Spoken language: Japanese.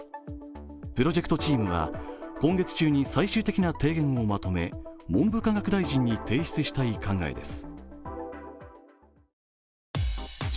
プロジェクトチームは今月中に最終的な提言をまとめ文部科学大臣に提出したい考えです。